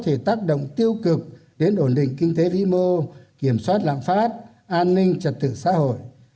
thể tác động tiêu cực đến ổn định kinh tế vĩ mô kiểm soát lạm phát an ninh trật tự xã hội